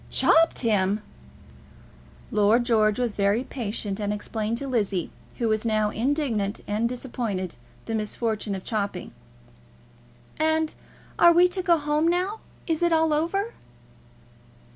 "Chopped him!" Lord George was very patient, and explained to Lizzie, who was now indignant and disappointed, the misfortune of chopping. "And are we to go home now? Is it all over?"